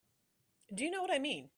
Do you know what I mean?